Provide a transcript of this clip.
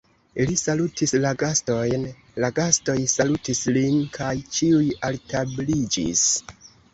Li salutis la gastojn, la gastoj salutis lin, kaj ĉiuj altabliĝis.